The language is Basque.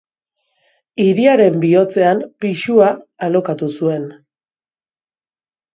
Hiriaren bihotzean pisua alokatu zuen.